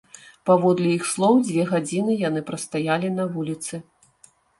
Паводле іх слоў, дзве гадзіны яны прастаялі на вуліцы.